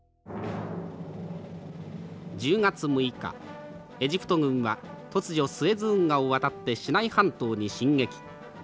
「１０月６日エジプト軍は突如スエズ運河を渡ってシナイ半島に進撃。